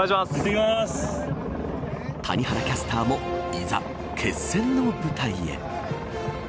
谷原キャスターもいざ、決戦の舞台へ。